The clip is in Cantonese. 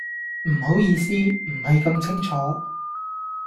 唔好意思，唔係咁清楚